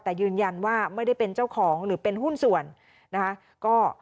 แต่ยืนยันว่าไม่ได้เป็นเจ้าของหรือเป็นหุ้นส่วนนะคะ